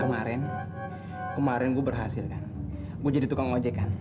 kemarin kemarin gue berhasil kan mau jadi tukang oje kan